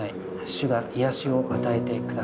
主が癒やしを与えて下さい。